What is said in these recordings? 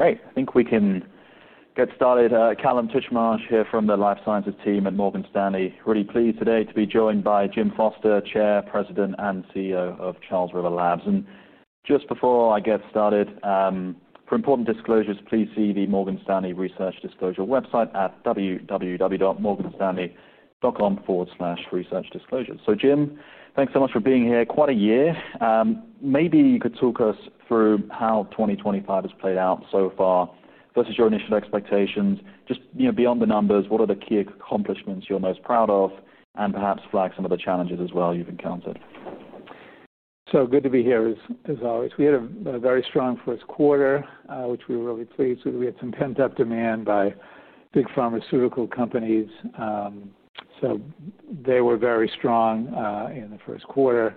Great, I think we can get started. Kallum Titchmarsh here from the Life Sciences team at Morgan Stanley. Really pleased today to be joined by Jim Foster, Chair, President, and CEO of Charles River Laboratories. Just before I get started, for important disclosures, please see the Morgan Stanley Research Disclosure website at www.morganstanley.com/researchdisclosures. Jim, thanks so much for being here. Quite a year. Maybe you could talk us through how 2025 has played out so far versus your initial expectations. Beyond the numbers, what are the key accomplishments you're most proud of and perhaps flag some of the challenges as well you've encountered? Good to be here, as always. We had a very strong first quarter, which we were really pleased with. We had some pent-up demand by big pharmaceutical companies, so they were very strong in the first quarter.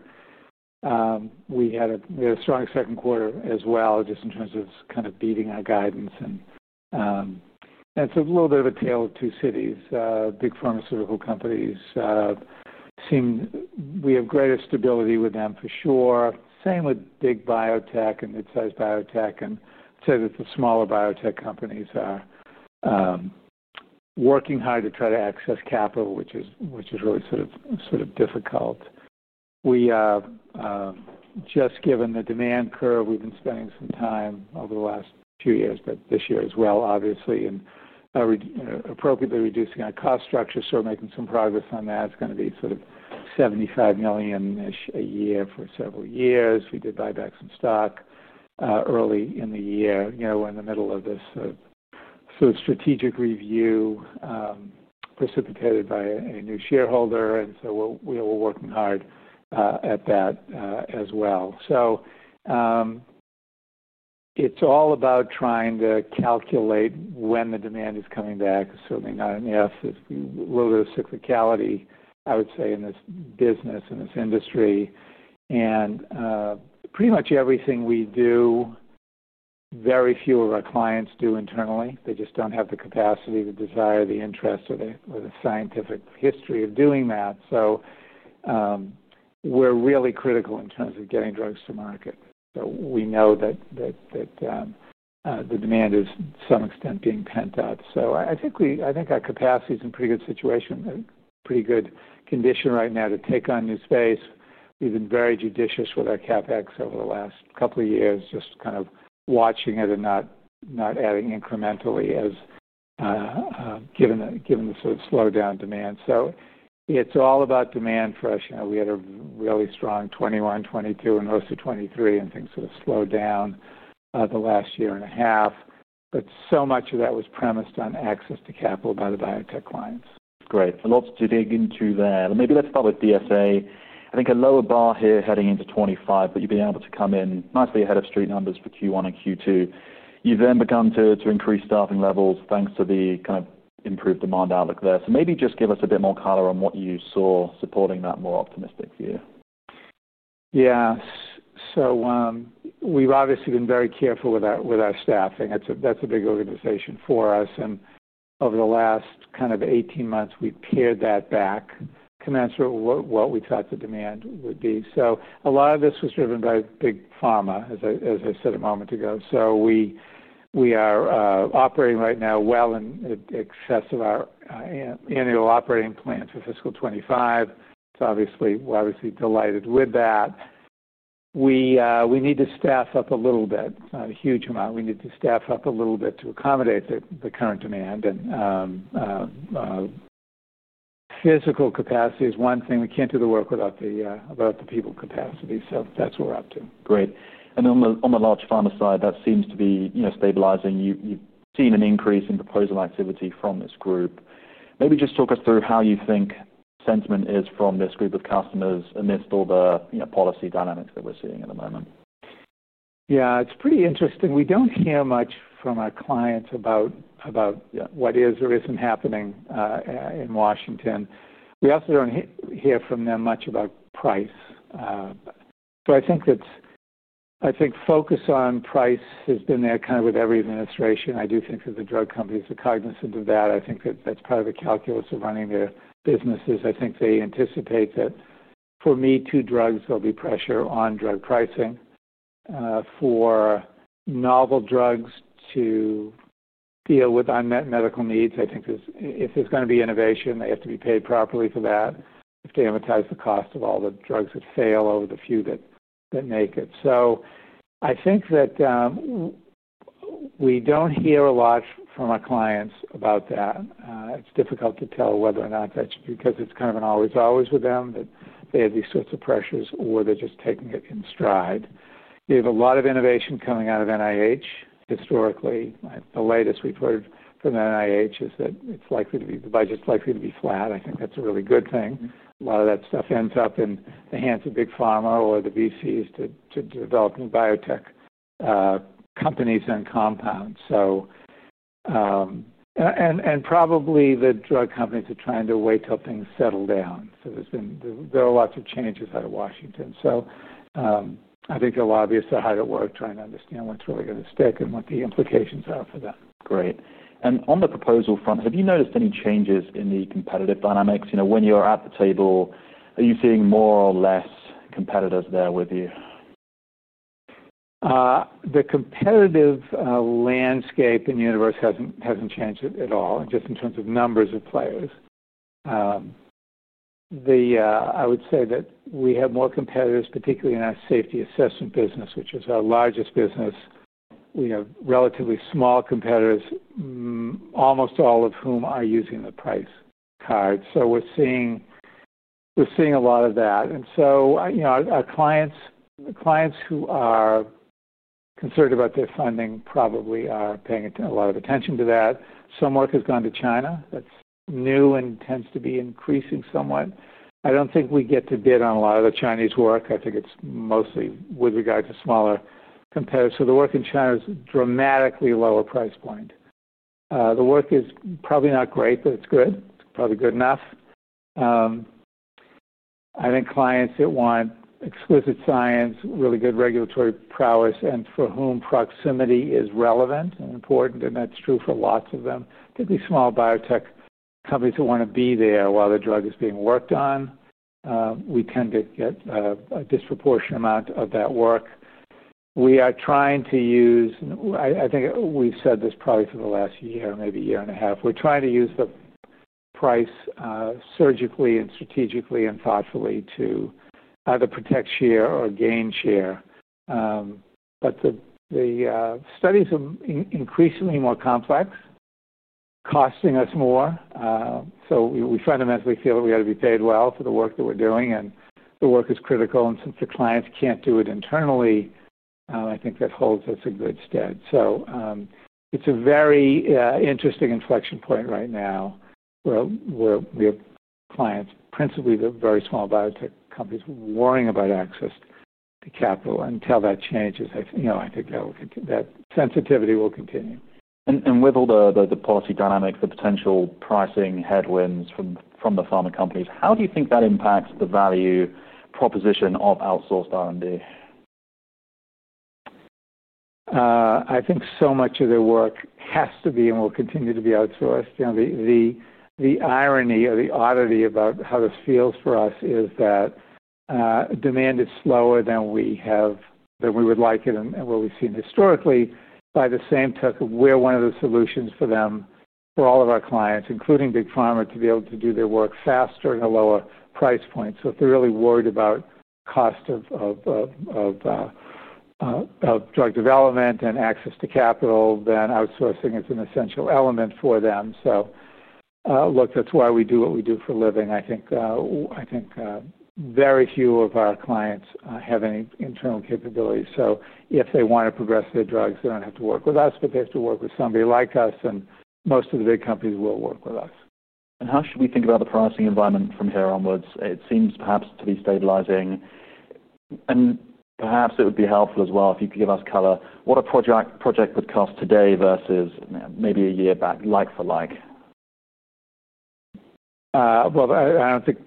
We had a strong second quarter as well, just in terms of kind of beating our guidance. It's a little bit of a tale of two cities. Big pharmaceutical companies, we have greater stability with them for sure. Same with big biotech and mid-sized biotech. I'd say that the smaller biotech companies are working hard to try to access capital, which is really sort of difficult. Just given the demand curve, we've been spending some time over the last few years, but this year as well, in appropriately reducing our cost structure. We're making some progress on that. It's going to be sort of $75 million a year for several years. We did buy back some stock early in the year. We're in the middle of this sort of strategic review, precipitated by a new shareholder. We're working hard at that as well. It's all about trying to calculate when the demand is coming back. It's certainly not an if. There's a little bit of cyclicality, I would say, in this business, in this industry. Pretty much everything we do, very few of our clients do internally. They just don't have the capacity, the desire, the interest, or the scientific history of doing that. We're really critical in terms of getting drugs to market. We know that the demand is to some extent being pent up. I think our capacity is in a pretty good situation, a pretty good condition right now to take on new space. We've been very judicious with our CapEx over the last couple of years, just kind of watching it and not adding incrementally, given the sort of slowdown in demand. It's all about demand for us. We had a really strong 2021, 2022, and most of 2023, and things sort of slowed down the last year and a half. So much of that was premised on access to capital by the biotech clients. Great. A lot to dig into there. Maybe let's start with DSA. I think a lower bar here heading into 2025, but you've been able to come in nicely ahead of street numbers for Q1 and Q2. You've then begun to increase staffing levels thanks to the kind of improved demand outlook there. Maybe just give us a bit more color on what you saw supporting that more optimistic view. Yeah. We've obviously been very careful with our staffing. That's a big organization for us. Over the last 18 months, we've pared that back commensurate with what we thought the demand would be. A lot of this was driven by big pharma, as I said a moment ago. We are operating right now well in excess of our annual operating plan for fiscal 2025. We're obviously delighted with that. We need to staff up a little bit to accommodate the current demand. Physical capacity is one thing. We can't do the work without the people capacity. That's what we're up to. Great. On the large pharma side, that seems to be stabilizing. You've seen an increase in proposal activity from this group. Maybe just talk us through how you think sentiment is from this group of customers amidst all the policy dynamics that we're seeing at the moment. Yeah, it's pretty interesting. We don't hear much from our clients about what is or isn't happening in Washington. We also don't hear from them much about price. I think focus on price has been there kind of with every administration. I do think that the drug companies are cognizant of that. I think that that's part of the calculus of running their businesses. I think they anticipate that for me too drugs, there'll be pressure on drug pricing, for novel drugs to deal with unmet medical needs. I think if there's going to be innovation, they have to be paid properly for that. If they amortize the cost of all the drugs that fail over the few that make it. We don't hear a lot from our clients about that. It's difficult to tell whether or not that's because it's kind of an always-always with them that they have these sorts of pressures or they're just taking it in stride. We have a lot of innovation coming out of NIH historically. The latest report from the NIH is that it's likely to be, the budget's likely to be flat. I think that's a really good thing. A lot of that stuff ends up in the hands of big pharma or the VCs to develop new biotech companies and compounds. Probably the drug companies are trying to wait till things settle down. There are lots of changes out of Washington. I think they'll obviously hire to work trying to understand what's really going to stick and what the implications are for them. Great. On the proposal front, have you noticed any changes in the competitive dynamics? When you're at the table, are you seeing more or less competitors there with you? The competitive landscape in the universe hasn't changed at all, just in terms of numbers of players. I would say that we have more competitors, particularly in our safety assessment business, which is our largest business. We have relatively small competitors, almost all of whom are using the price card. We're seeing a lot of that. Our clients, the clients who are concerned about their funding, probably are paying a lot of attention to that. Some work has gone to China. That's new and tends to be increasing somewhat. I don't think we get to bid on a lot of the Chinese work. I think it's mostly with regard to smaller competitors. The work in China is a dramatically lower price point. The work is probably not great, but it's good. It's probably good enough. I think clients that want explicit science, really good regulatory prowess, and for whom proximity is relevant and important, and that's true for lots of them, particularly small biotech companies that want to be there while the drug is being worked on, we tend to get a disproportionate amount of that work. We are trying to use, and I think we've said this probably for the last year, maybe a year and a half, we're trying to use the price surgically and strategically and thoughtfully to either protect share or gain share. The studies are increasingly more complex, costing us more. We fundamentally feel that we ought to be paid well for the work that we're doing. The work is critical. Since the clients can't do it internally, I think that holds us in good stead. It's a very interesting inflection point right now where we have clients, principally the very small biotech companies, worrying about access to capital. Until that changes, I think that sensitivity will continue. With all the policy dynamics, the potential pricing headwinds from the pharma companies, how do you think that impacts the value proposition of outsourced R&D? I think so much of their work has to be and will continue to be outsourced. The irony or the oddity about how this feels for us is that demand is slower than we would like it and what we've seen historically. By the same token, we're one of the solutions for them, for all of our clients, including Big Pharma, to be able to do their work faster at a lower price point. If they're really worried about the cost of drug development and access to capital, then outsourcing is an essential element for them. That's why we do what we do for a living. I think very few of our clients have any internal capabilities. If they want to progress their drugs, they don't have to work with us. They have to work with somebody like us. Most of the big companies will work with us. How should we think about the pricing environment from here onwards? It seems perhaps to be stabilizing. Perhaps it would be helpful as well if you could give us color. What would a project cost today versus maybe a year back, like for like? I don't think,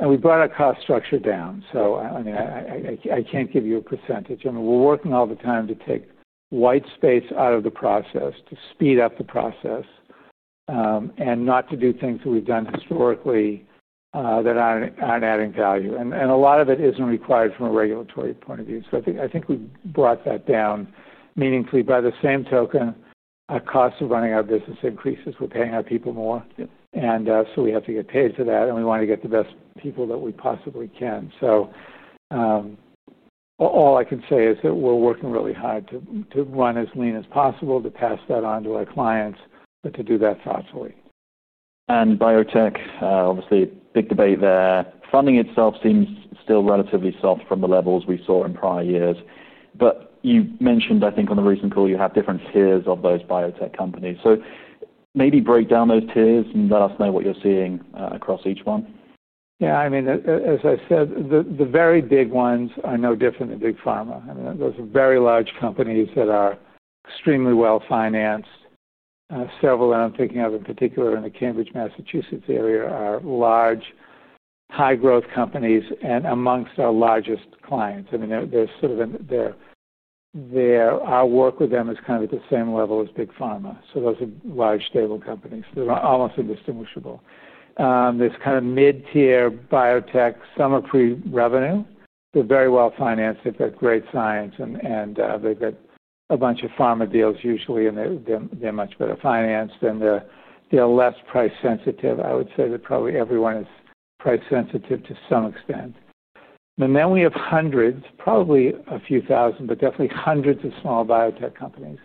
and we brought our cost structure down. I mean, I can't give you a %. I mean, we're working all the time to take white space out of the process, to speed up the process, and not to do things that we've done historically, that aren't adding value. A lot of it isn't required from a regulatory point of view. I think we brought that down meaningfully. By the same token, our cost of running our business increases. We're paying our people more, and we have to get paid for that. We want to get the best people that we possibly can. All I can say is that we're working really hard to run as lean as possible, to pass that on to our clients, but to do that thoughtfully. Biotech, obviously, big debate there. Funding itself seems still relatively soft from the levels we saw in prior years. You mentioned, I think, on the recent call, you have different tiers of those biotech companies. Maybe break down those tiers and let us know what you're seeing across each one. Yeah, I mean, as I said, the very big ones are no different than Big Pharma. I mean, those are very large companies that are extremely well financed. Several that I'm thinking of, in particular in the Cambridge, Massachusetts area, are large, high-growth companies and amongst our largest clients. I mean, they're sort of in there. Our work with them is kind of at the same level as Big Pharma. Those are large, stable companies. They're almost indistinguishable. There's kind of mid-tier biotech, some are pretty revenue. They're very well financed. They've got great science. They've got a bunch of pharma deals usually, and they're much better financed. They're less price sensitive. I would say that probably everyone is price sensitive to some extent. We have hundreds, probably a few thousand, but definitely hundreds of small biotech companies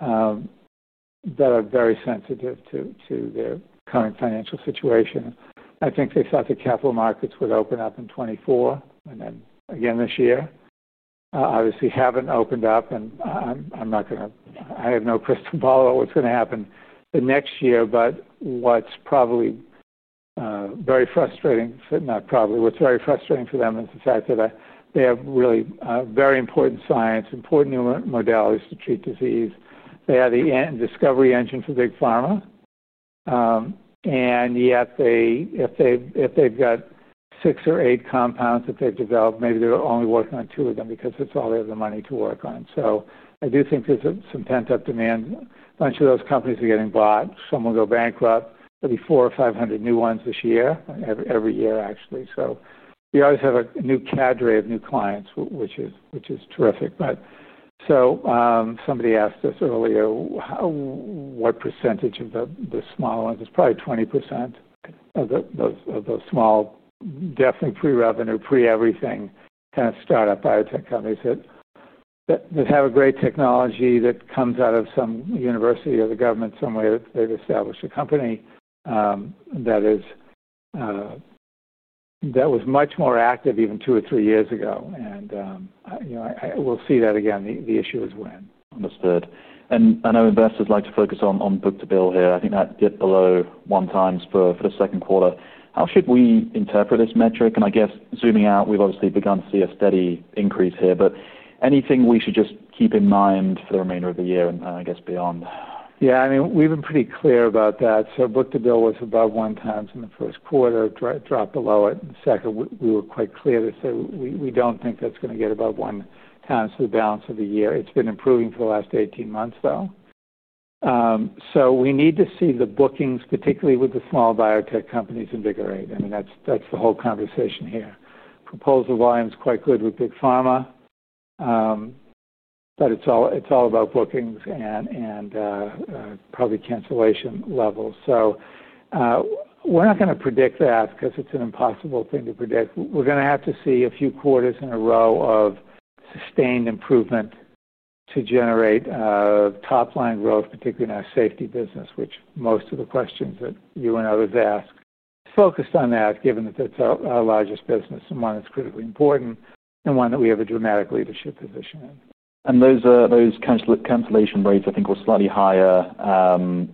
that are very sensitive to their current financial situation. I think they thought the capital markets would open up in 2024 and then again this year. Obviously, haven't opened up. I'm not going to, I have no crystal ball about what's going to happen the next year. What's probably, very frustrating, not probably, what's very frustrating for them is the fact that they have really, very important science, important new modalities to treat disease. They are the discovery engine for Big Pharma, and yet they, if they've got six or eight compounds that they've developed, maybe they're only working on two of them because that's all they have the money to work on. I do think there's some pent-up demand. A bunch of those companies are getting bought. Some will go bankrupt. There'll be four or five hundred new ones this year, every year, actually. We always have a new cadre of new clients, which is terrific. Somebody asked us earlier, what percentage of the smaller ones? It's probably 20% of those small, definitely pre-revenue, pre-everything kind of startup biotech companies that have a great technology that comes out of some university or the government somewhere that they've established a company, that was much more active even two or three years ago. We'll see that again. The issue is when. Understood. I know investors like to focus on book to bill here. I think that's a bit below one times for the second quarter. How should we interpret this metric? I guess zooming out, we've obviously begun to see a steady increase here. Is there anything we should just keep in mind for the remainder of the year and beyond? Yeah, I mean, we've been pretty clear about that. Book to bill was above one times in the first quarter, dropped below it in the second. We were quite clear to say we don't think that's going to get above one times for the balance of the year. It's been improving for the last 18 months, though. We need to see the bookings, particularly with the small biotech companies, invigorate. I mean, that's the whole conversation here. Proposal volume is quite good with Big Pharma, but it's all about bookings and probably cancellation levels. We're not going to predict that because it's an impossible thing to predict. We have to see a few quarters in a row of sustained improvement to generate top-line growth, particularly in our safety assessment business, which most of the questions that you and others ask focused on, given that that's our largest business and one that's critically important and one that we have a dramatic leadership position in. Those cancellation rates, I think, were slightly higher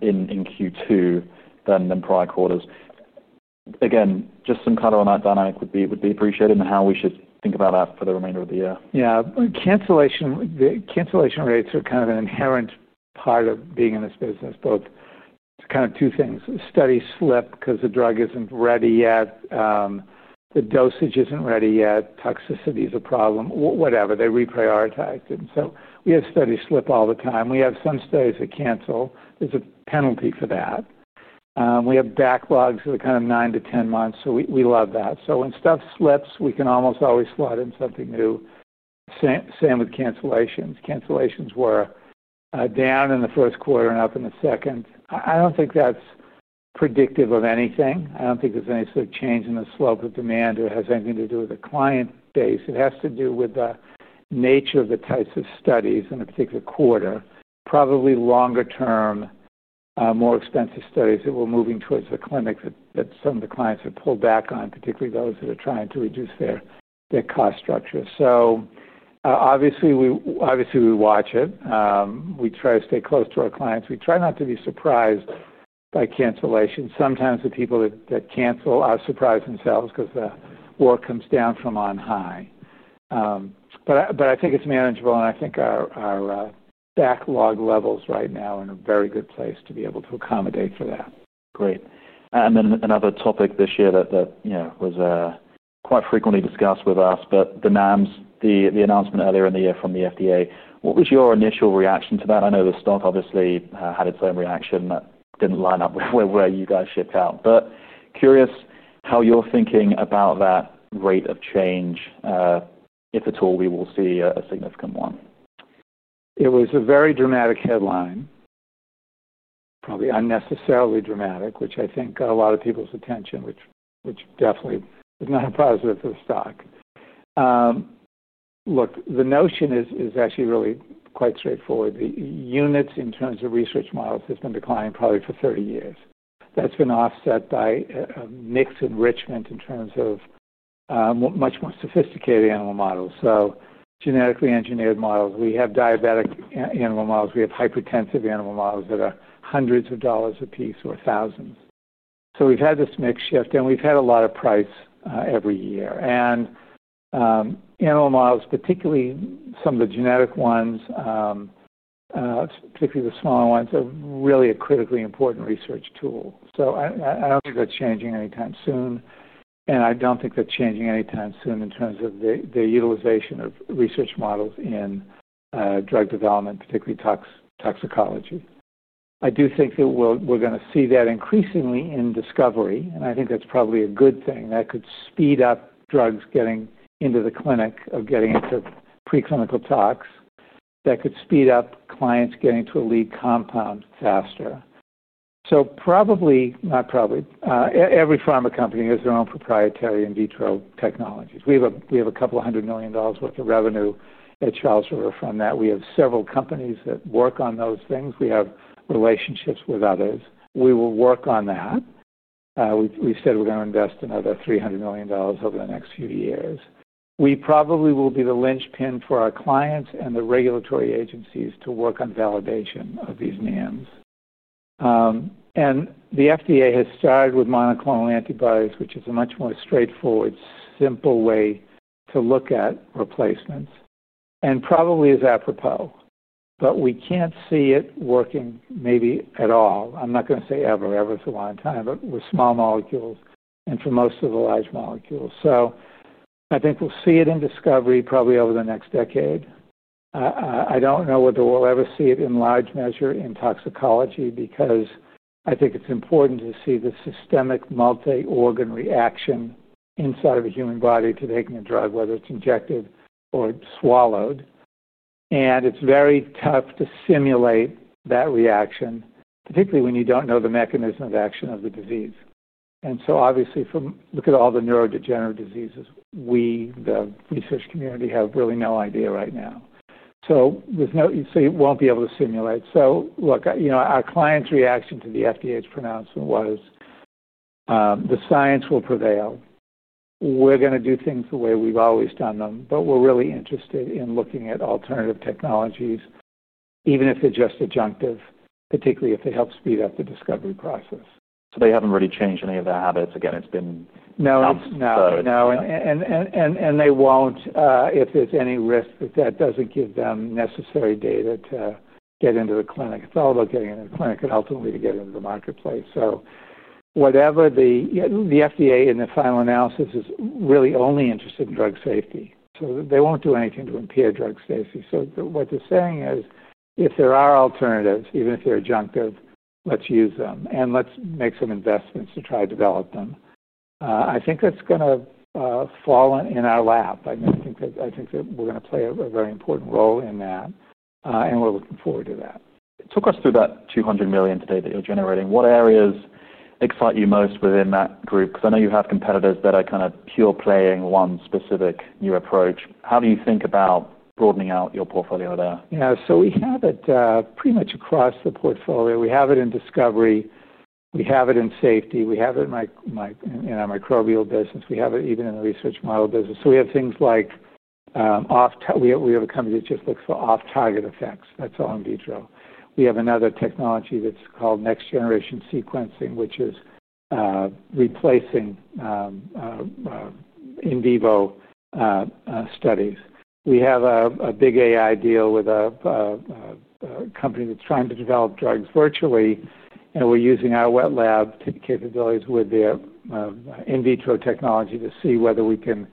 in Q2 than prior quarters. Again, just some color on that dynamic would be appreciated and how we should think about that for the remainder of the year. Yeah. Cancellation rates are kind of an inherent part of being in this business. It's kind of two things. Studies slip because the drug isn't ready yet, the dosage isn't ready yet, toxicity is a problem, whatever. They reprioritize it, and so we have studies slip all the time. We have some studies that cancel. There's a penalty for that. We have backlogs that are kind of nine to ten months, so we love that. When stuff slips, we can almost always slot in something new. Same with cancellations. Cancellations were down in the first quarter and up in the second. I don't think that's predictive of anything. I don't think there's any sort of change in the slope of demand or has anything to do with the client base. It has to do with the nature of the types of studies in a particular quarter, probably longer term, more expensive studies that were moving towards the clinic that some of the clients have pulled back on, particularly those that are trying to reduce their cost structure. Obviously, we watch it. We try to stay close to our clients. We try not to be surprised by cancellation. Sometimes the people that cancel are surprised themselves because the work comes down from on high. I think it's manageable, and I think our backlog levels right now are in a very good place to be able to accommodate for that. Great. Another topic this year that was quite frequently discussed with us was the NAMs, the announcement earlier in the year from the FDA. What was your initial reaction to that? I know the stock obviously had its own reaction that didn't line up with where you guys ship out. Curious how you're thinking about that rate of change, if at all we will see a significant one. It was a very dramatic headline, probably unnecessarily dramatic, which I think got a lot of people's attention, which definitely is not a positive for the stock. Look, the notion is actually really quite straightforward. The units in terms of research models have been declining probably for 30 years. That's been offset by a mix enrichment in terms of much more sophisticated animal models. So genetically engineered models. We have diabetic animal models. We have hypertensive animal models that are hundreds of dollars apiece or thousands. We've had this mix shift, and we've had a lot of price every year. Animal models, particularly some of the genetic ones, particularly the smaller ones, are really a critically important research tool. I don't think that's changing anytime soon. I don't think that's changing anytime soon in terms of the utilization of research models in drug development, particularly toxicology. I do think that we're going to see that increasingly in discovery. I think that's probably a good thing. That could speed up drugs getting into the clinic or getting into preclinical tox. That could speed up clients getting to a lead compound faster. Probably, not probably, every pharma company has their own proprietary in vitro technologies. We have a couple hundred million dollars' worth of revenue at Charles River from that. We have several companies that work on those things. We have relationships with others. We will work on that. We've said we're going to invest another $300 million over the next few years. We probably will be the linchpin for our clients and the regulatory agencies to work on validation of these NAMs. The FDA has started with monoclonal antibodies, which is a much more straightforward, simple way to look at replacements and probably is apropos. We can't see it working maybe at all. I'm not going to say ever, ever for a long time, but with small molecules and for most of the large molecules. I think we'll see it in discovery probably over the next decade. I don't know whether we'll ever see it in large measure in toxicology because I think it's important to see the systemic multi-organ reaction inside of a human body to taking a drug, whether it's injected or swallowed. It's very tough to simulate that reaction, particularly when you don't know the mechanism of action of the disease. Obviously, from look at all the neurodegenerative diseases, we, the research community, have really no idea right now. With no, so you won't be able to simulate. Look, you know, our client's reaction to the FDA's pronouncement was, the science will prevail. We're going to do things the way we've always done them. We're really interested in looking at alternative technologies, even if they're just adjunctive, particularly if they help speed up the discovery process. They haven't really changed any of their habits. Again, it's been outside. No, no, no. They won't if there's any risk that that doesn't give them necessary data to get into the clinic. It's all about getting into the clinic and ultimately to get into the marketplace. Whatever the FDA in the final analysis is really only interested in drug safety. They won't do anything to impair drug safety. What they're saying is, if there are alternatives, even if they're adjunctive, let's use them and let's make some investments to try to develop them. I think that's going to fall in our lap. I think that we're going to play a very important role in that, and we're looking forward to that. Talk us through that $200 million today that you're generating. What areas excite you most within that group? I know you have competitors that are kind of pure playing one specific new approach. How do you think about broadening out your portfolio there? Yeah, we have it pretty much across the portfolio. We have it in discovery, we have it in safety, we have it in our microbial business, we have it even in the research model business. We have things like, off. We have a company that just looks for off-target effects. That's all in vitro. We have another technology that's called next-generation sequencing, which is replacing in vivo studies. We have a big AI deal with a company that's trying to develop drugs virtually, and we're using our wet lab capabilities with their in vitro technology to see whether we can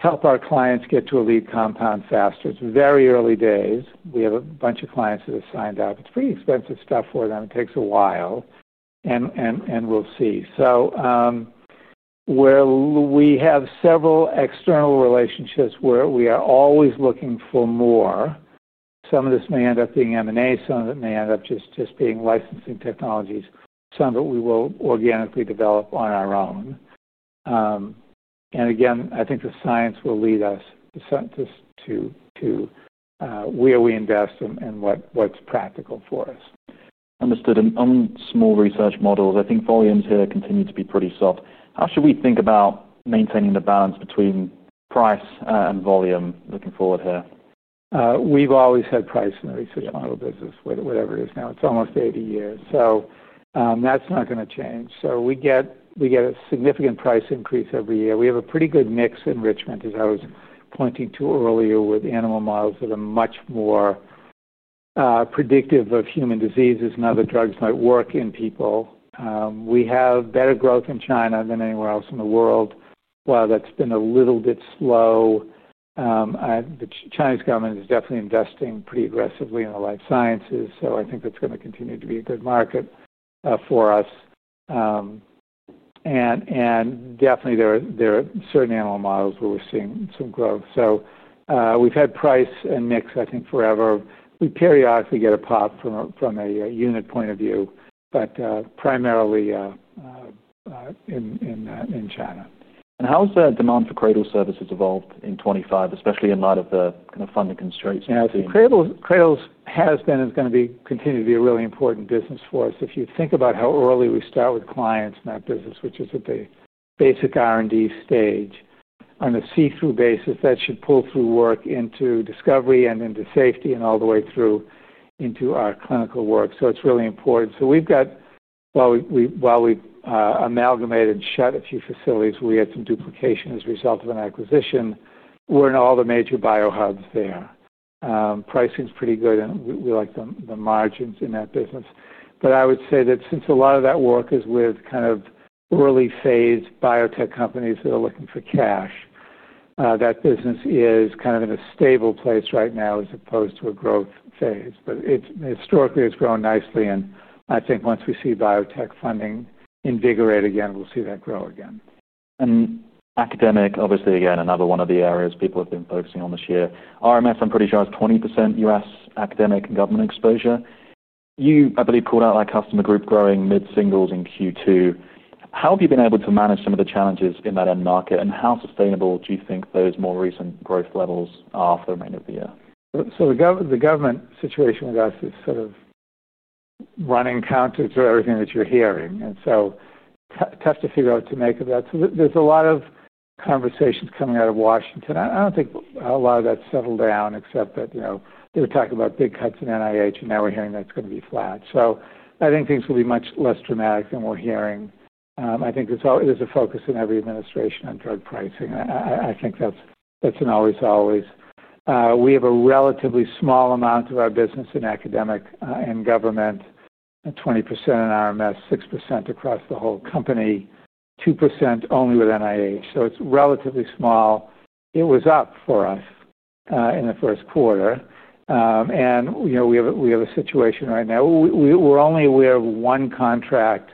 help our clients get to a lead compound faster. It's very early days. We have a bunch of clients that have signed up. It's pretty expensive stuff for them. It takes a while, and we'll see. We have several external relationships where we are always looking for more. Some of this may end up being M&A. Some of it may end up just being licensing technologies. Some of it we will organically develop on our own. Again, I think the science will lead us to where we invest and what's practical for us. Understood. On small research models, I think volumes here continue to be pretty soft. How should we think about maintaining the balance between price and volume looking forward here? We've always had price in the research model business, whatever it is now. It's almost 80 years. That's not going to change. We get a significant price increase every year. We have a pretty good mix enrichment, as I was pointing to earlier, with animal models that are much more predictive of human diseases and other drugs might work in people. We have better growth in China than anywhere else in the world. While that's been a little bit slow, the Chinese government is definitely investing pretty aggressively in the life sciences. I think that's going to continue to be a good market for us. There are certain animal models where we're seeing some growth. We've had price and mix, I think, forever. We periodically get a pop from a unit point of view, but primarily in China. How has the demand for cradle services evolved in 2025, especially in light of the kind of funding constraints? Now, CRADLES has been and is going to continue to be a really important business for us. If you think about how early we start with clients in that business, which is at the basic R&D stage, on a see-through basis, that should pull through work into discovery and into safety and all the way through into our clinical work. It's really important. We've amalgamated and shut a few facilities, we had some duplication as a result of an acquisition. We're in all the major biohubs there. Pricing's pretty good, and we like the margins in that business. I would say that since a lot of that work is with kind of early-phased biotech companies that are looking for cash, that business is kind of in a stable place right now as opposed to a growth phase. Historically, it's grown nicely. I think once we see biotech funding invigorate again, we'll see that grow again. Academic, obviously, again, another one of the areas people have been focusing on this year. RMF, I'm pretty sure, has 20% U.S. academic and government exposure. You, I believe, called out that customer group growing mid-singles in Q2. How have you been able to manage some of the challenges in that end market? How sustainable do you think those more recent growth levels are for the remainder of the year? The government situation with us is sort of running counter to everything that you're hearing, and it's tough to figure out what to make of that. There are a lot of conversations coming out of Washington. I don't think a lot of that's settled down except that, you know, they were talking about big cuts in NIH, and now we're hearing that's going to be flat. I think things will be much less dramatic than we're hearing. There's a focus in every administration on drug pricing. I think that's an always, always. We have a relatively small amount of our business in academic and government, 20% in RMS, 6% across the whole company, 2% only with NIH, so it's relatively small. It was up for us in the first quarter. We have a situation right now. We're only aware of one contract,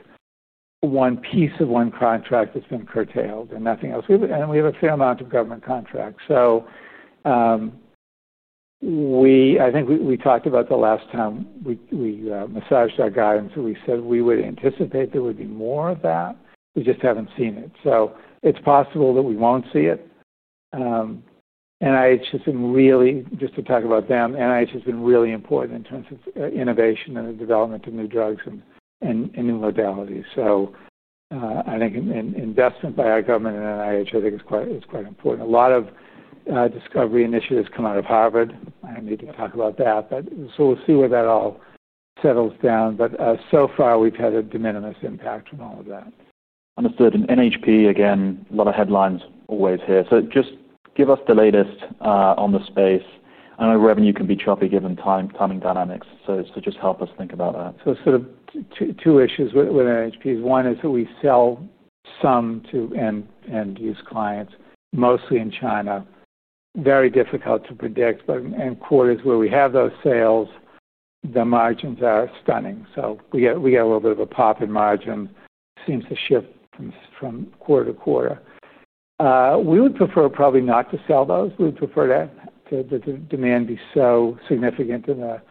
one piece of one contract that's been curtailed and nothing else. We have a fair amount of government contracts. I think we talked about the last time we massaged our guidance. We said we would anticipate there would be more of that. We just haven't seen it. It's possible that we won't see it. NIH has been really, just to talk about them, NIH has been really important in terms of innovation and the development of new drugs and new modalities. I think investment by our government and NIH, I think, is quite important. A lot of discovery initiatives come out of Harvard. I don't need to talk about that. We'll see where that all settles down. So far, we've had a de minimis impact from all of that. Understood. NHP, again, a lot of headlines always here. Just give us the latest on the space. I know revenue can be choppy given timing dynamics. Just help us think about that. are sort of two issues with NHPs. One is that we sell some to and use clients, mostly in China. It is very difficult to predict, but in quarters where we have those sales, the margins are stunning. We get a little bit of a pop in margin. It seems to shift from quarter to quarter. We would probably prefer not to sell those. We would prefer that the demand be so significant in the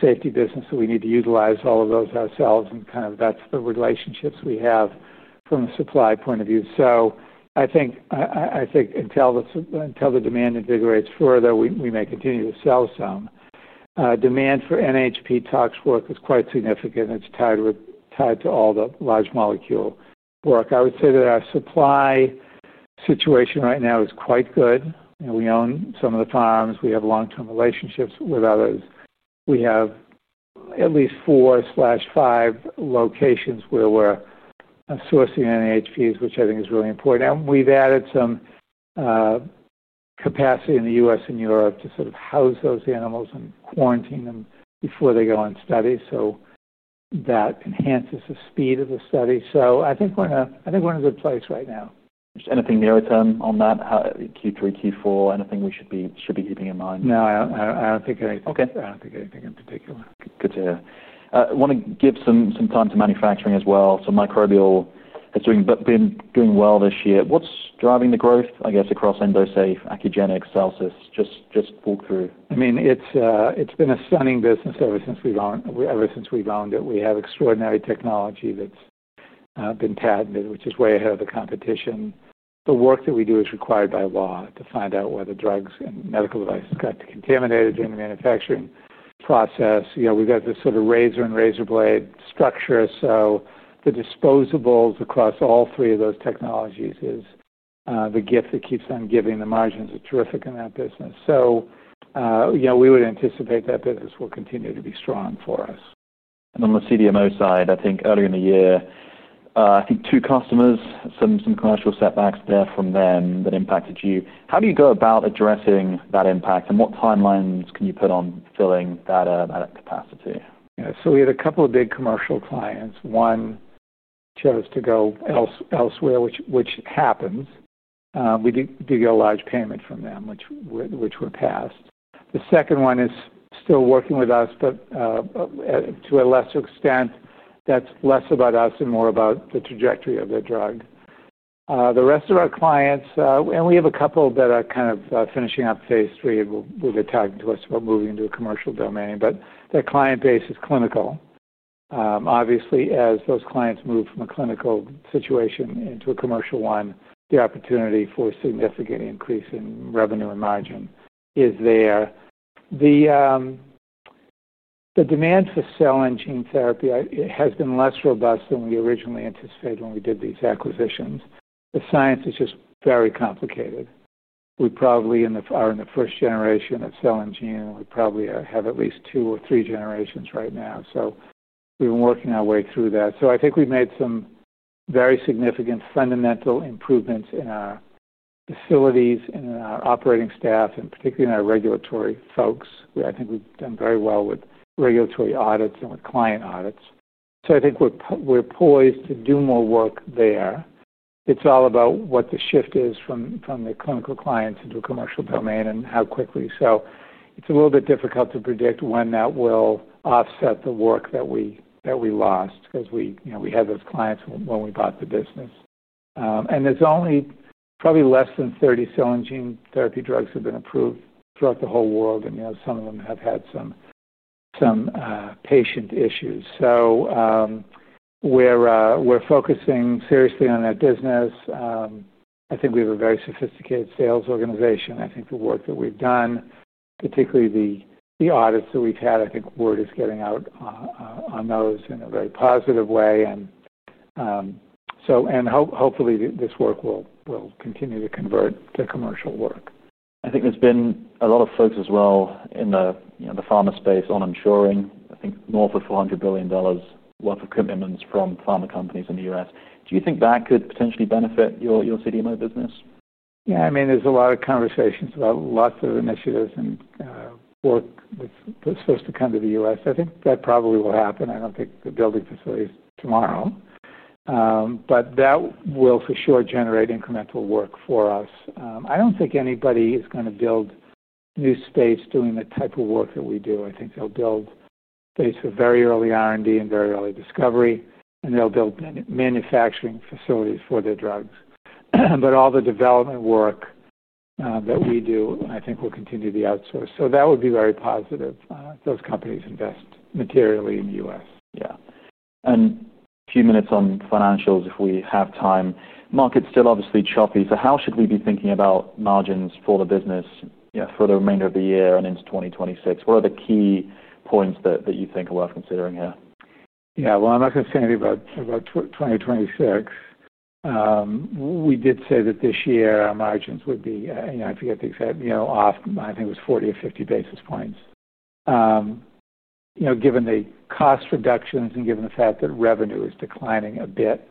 safety assessment business that we need to utilize all of those ourselves. That is the relationship we have from a supply point of view. I think until the demand invigorates further, we may continue to sell some. Demand for NHP tox work is quite significant. It is tied to all the large molecule work. I would say that our supply situation right now is quite good. We own some of the farms and have long-term relationships with others. We have at least four or five locations where we are sourcing NHPs, which I think is really important. We have added some capacity in the U.S. and Europe to house those animals and quarantine them before they go on study. That enhances the speed of the study. I think we are in a good place right now. Anything near it on that? How Q3, Q4, anything we should be keeping in mind? No, I don't think anything in particular. Good to hear. I want to give some time to manufacturing as well. Microbial has been doing well this year. What's driving the growth, I guess, across Endosafe, Accugenix, Celsis®? Just walk through. It's been a stunning business ever since we've owned it. We have extraordinary technology that's been patented, which is way ahead of the competition. The work that we do is required by law to find out whether drugs and medical devices got contaminated during the manufacturing process. We've got this sort of razor and razor blade structure. The disposables across all three of those technologies is the gift that keeps on giving. The margins are terrific in that business. We would anticipate that business will continue to be strong for us. On the CDMO side, earlier in the year, I think two customers, some commercial setbacks there from them that impacted you. How do you go about addressing that impact, and what timelines can you put on filling that capacity? Yeah. We had a couple of big commercial clients. One chose to go elsewhere, which happens. We do get a large payment from them, which we're past. The second one is still working with us, but to a lesser extent. That's less about us and more about the trajectory of their drug. The rest of our clients, and we have a couple that are kind of finishing up phase three, and they're talking to us about moving into a commercial domain. Their client base is clinical. Obviously, as those clients move from a clinical situation into a commercial one, the opportunity for a significant increase in revenue and margin is there. The demand for cell and gene therapy has been less robust than we originally anticipated when we did these acquisitions. The science is just very complicated. We probably are in the first generation of cell and gene. We probably have at least two or three generations right now. We've been working our way through that. I think we've made some very significant fundamental improvements in our facilities and in our operating staff and particularly in our regulatory folks. I think we've done very well with regulatory audits and with client audits. I think we're poised to do more work there. It's all about what the shift is from the clinical clients into a commercial domain and how quickly. It's a little bit difficult to predict when that will offset the work that we lost because we had those clients when we bought the business. There's only probably less than 30 cell and gene therapy drugs that have been approved throughout the whole world, and some of them have had some patient issues. We're focusing seriously on that business. I think we have a very sophisticated sales organization. I think the work that we've done, particularly the audits that we've had, I think word is getting out on those in a very positive way. Hopefully, this work will continue to convert to commercial work. I think there's been a lot of focus as well in the pharma space on insuring, I think, more of a $400 billion worth of commitments from pharma companies in the U.S. Do you think that could potentially benefit your CDMO business? Yeah, I mean, there's a lot of conversations about lots of initiatives and work that's supposed to come to the U.S. I think that probably will happen. I don't think they're building facilities tomorrow, but that will for sure generate incremental work for us. I don't think anybody is going to build new space doing the type of work that we do. I think they'll build space for very early R&D and very early discovery, and they'll build manufacturing facilities for their drugs, but all the development work that we do, I think, will continue to be outsourced. That would be very positive if those companies invest materially in the U.S. Yeah. A few minutes on financials if we have time. Market's still obviously choppy. How should we be thinking about margins for the business, for the remainder of the year and into 2026? What are the key points that you think are worth considering here? I'm not going to say anything about 2026. We did say that this year our margins would be, you know, I forget the exact, you know, off, I think it was 40 or 50 basis points. You know, given the cost reductions and given the fact that revenue is declining a bit,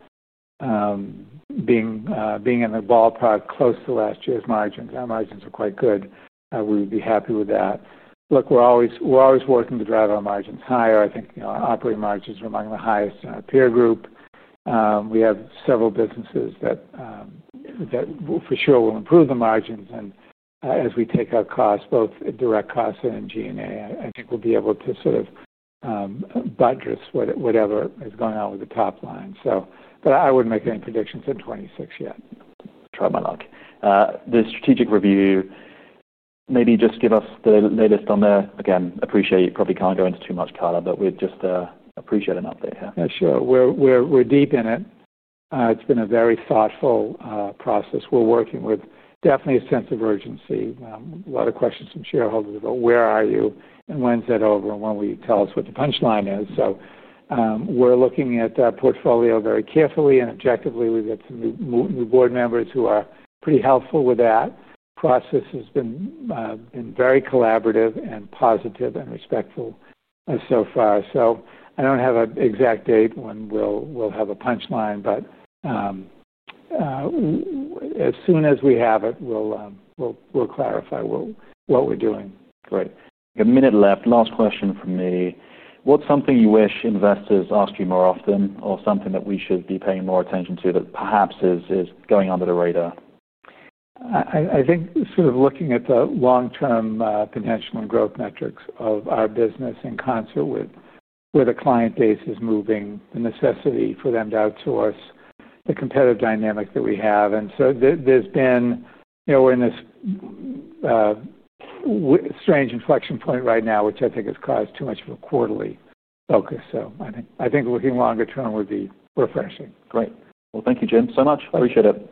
being in the ballpark close to last year's margins, our margins are quite good. We would be happy with that. Look, we're always working to drive our margins higher. I think our operating margins are among the highest in our peer group. We have several businesses that for sure will improve the margins. As we take our costs, both direct costs and G&A, I think we'll be able to sort of buttress whatever is going on with the top line. I wouldn't make any predictions in 2026 yet. The strategic review, maybe just give us the latest on there. Again, appreciate you probably can't go into too much, but we'd just appreciate an update here. Yeah, sure. We're deep in it. It's been a very thoughtful process. We're working with definitely a sense of urgency. A lot of questions from shareholders about where are you and when's that over and when will you tell us what the punchline is. We're looking at that portfolio very carefully and objectively. We've got some new board members who are pretty helpful with that. The process has been very collaborative and positive and respectful so far. I don't have an exact date when we'll have a punchline, but as soon as we have it, we'll clarify what we're doing. Great. We have a minute left. Last question from me. What's something you wish investors asked you more often or something that we should be paying more attention to that perhaps is going under the radar? I think looking at the long-term potential and growth metrics of our business in concert with where the client base is moving, the necessity for them to outsource, the competitive dynamic that we have. There's been, you know, we're in this strange inflection point right now, which I think has caused too much of a quarterly focus. I think looking longer term would be refreshing. Great. Thank you, Jim, so much. Appreciate it.